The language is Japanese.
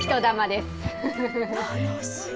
楽しい。